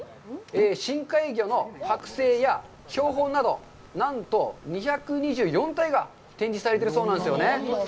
深海魚の剥製や標本など、なんと２２４体が展示されているそうなんですよね。